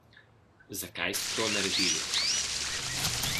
Zakaj ste to naredili?